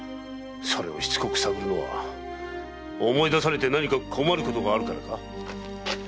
それをしつこく探るのは思い出されて何か困ることがあるからか？